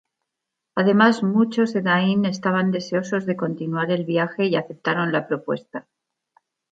Además muchos Edain estaban deseosos de continuar el viaje y aceptaron la propuesta.